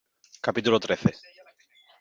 capítulo trece .